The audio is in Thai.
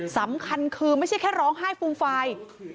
สำคัญคือไม่ใช่แค่ร้องไห้ฟูมฟาย